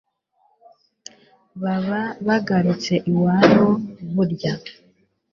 baba bagarutse iwabo burya